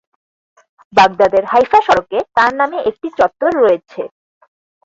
বাগদাদের হাইফা সড়কে তার নামে একটি চত্বর রয়েছে।